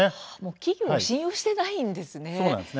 企業を信用してないんですね。